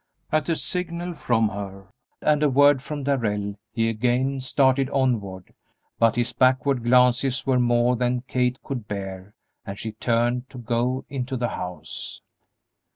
At a signal from her and a word from Darrell he again started onward, but his backward glances were more than Kate could bear, and she turned to go into the house.